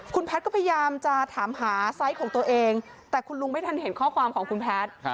คุณแพทย์ก็พยายามจะถามหาไซส์ของตัวเองแต่คุณลุงไม่ทันเห็นข้อความของคุณแพทย์